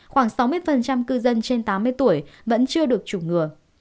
khoảng sáu mươi cư dân trên tám mươi tuổi vẫn chưa được chủng ngừa